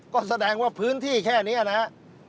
ก็แสดงว่าพื้นที่แค่นี้นะครับ